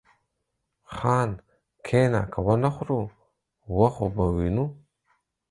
خان! کښينه که ونه خورو و خو به وينو.